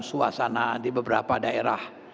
suasana di beberapa daerah